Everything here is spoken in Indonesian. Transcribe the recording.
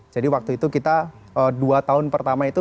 jadi waktu itu kita dua tahun pertama itu